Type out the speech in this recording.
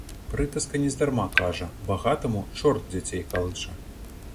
Прыказка нездарма кажа, багатаму чорт дзяцей калыша.